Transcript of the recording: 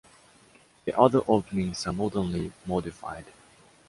The other openings are modernly modified.